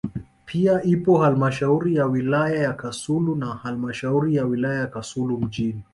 pia ipo halmashauri ya wilaya ya Kasulu na halmashauri ya wilaya ya Kasulu mjini